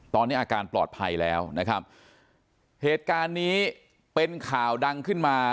ตอนนี้อาการปลอดภัยแล้วนะครับเหตุการณ์นี้เป็นข่าวดังขึ้นมา